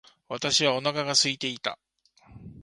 私はお腹が空いていた。